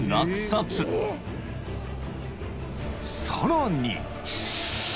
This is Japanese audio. ［さらに］